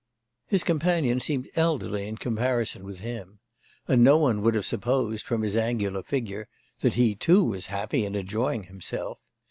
His companion seemed elderly in comparison with him; and no one would have supposed, from his angular figure, that he too was happy and enjoying himself.